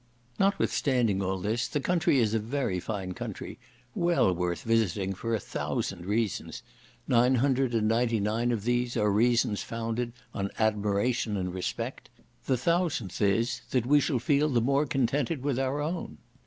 Notwithstanding all this, the country is a very fine country, well worth visiting for a thousand reasons; nine hundred and ninety nine of these are reasons founded on admiration and respect; the thousandth is, that we shall feel the more contented with our own.